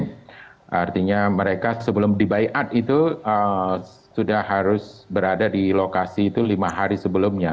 dan artinya mereka sebelum dibaiat itu sudah harus berada di lokasi itu lima hari sebelumnya